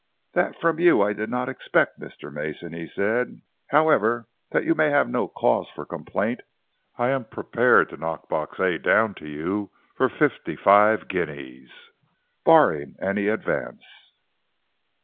"That from you I did not expect, Mr. Mason," he said. "However, that you may have no cause for complaint, I am prepared to knock Box A down to you for fifty five guineas, barring any advance."